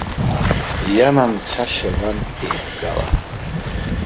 Иамам цашьа уантә еибгала.